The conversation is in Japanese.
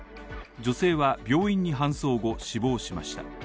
女性は病院に搬送後、死亡しました。